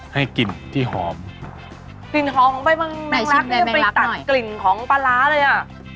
ให้กลิ่นที่หอมกลิ่นหอมของใบแมงลักเนี่ยไปตัดกลิ่นของปลาร้าเลยอ่ะ